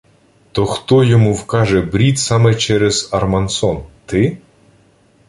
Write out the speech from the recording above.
— То хто йому вкаже брід саме через Армансон? Ти?